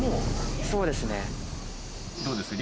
どうです？